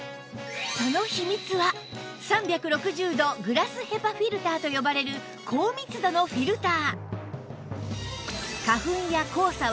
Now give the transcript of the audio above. その秘密は３６０度グラス ＨＥＰＡ フィルターと呼ばれる高密度のフィルター